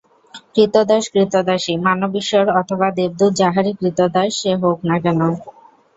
ক্রীতদাস ক্রীতদাসই, মানব ঈশ্বর অথবা দেবদূত যাহারই ক্রীতদাস সে হউক না কেন।